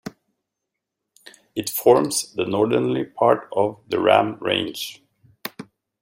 It forms the northerly part of the Ram Range.